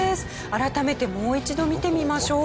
改めてもう一度見てみましょう。